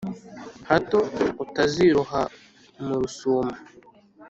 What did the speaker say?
hato utaziroha mu rusuma